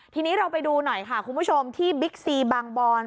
ทีนี้เราไปดูหน่อยค่ะคุณผู้ชมที่บิ๊กซีบางบอน